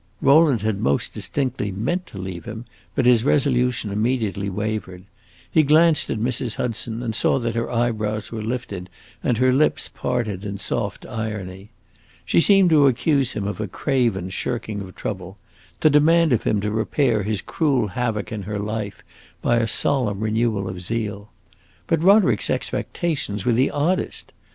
Rowland had most distinctly meant to leave him, but his resolution immediately wavered. He glanced at Mrs. Hudson and saw that her eyebrows were lifted and her lips parted in soft irony. She seemed to accuse him of a craven shirking of trouble, to demand of him to repair his cruel havoc in her life by a solemn renewal of zeal. But Roderick's expectations were the oddest!